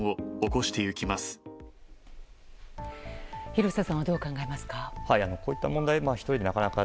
廣瀬さんはどう考えますか？